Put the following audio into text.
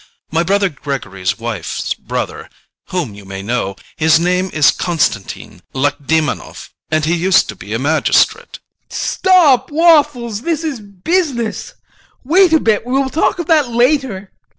My brother Gregory's wife's brother, whom you may know; his name is Constantine Lakedemonoff, and he used to be a magistrate VOITSKI. Stop, Waffles. This is business; wait a bit, we will talk of that later.